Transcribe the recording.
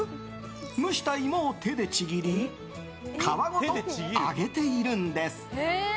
蒸した芋を手でちぎり皮ごと揚げているんです。